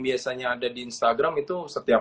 biasanya ada di instagram itu setiap